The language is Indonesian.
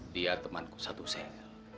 dia temanku satu senyel